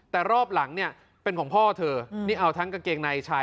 แต่รอบหลังเนี่ยเป็นของพ่อเธอนี่เอาทั้งกางเกงในชาย